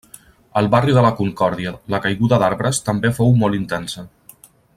Al barri de la Concòrdia la caiguda d'arbres també fou molt intensa.